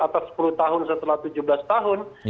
atau sepuluh tahun setelah tujuh belas tahun